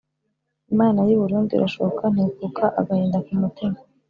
Imana y'i Burundi irashoka ntikuka-Agahinda ku mutima.